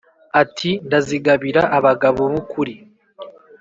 Ati: Ndazigabira abagabo b'ukuri